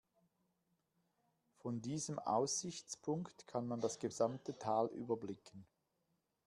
Von diesem Aussichtspunkt kann man das gesamte Tal überblicken.